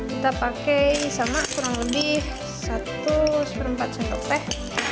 kita pakai sama kurang lebih satu empat sendok teh